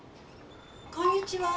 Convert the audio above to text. こんにちは。